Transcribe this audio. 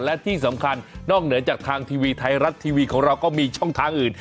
และที่สำคัญนอกเหนือจากทางทีวีไทยรัฐทีวีของเราก็มีช่องทางอื่น